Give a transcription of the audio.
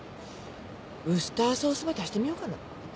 ウスターソースば足してみようかな。